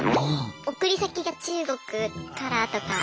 送り先が中国からとか。